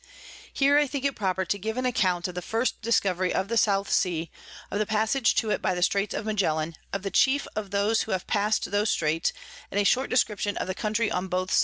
Here I think it proper to give an Account of the first Discovery of the South Sea, of the Passage to it by the Straits of Magellan, of the chief of those who have pass'd those Straits, and a short Description of the Country on both sides of 'em.